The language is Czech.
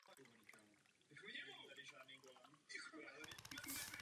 Zamrzá v listopadu nebo na začátku prosince a rozmrzá v první polovině dubna.